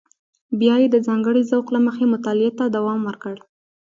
بیا یې د ځانګړي ذوق له مخې مطالعه ته دوام ورکړ.